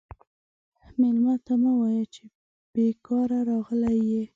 مېلمه ته مه وایه چې بیکاره راغلی یې.